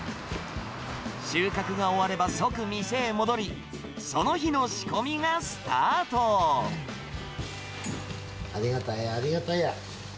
収穫が終われば即店へ戻り、ありがたや、ありがたや。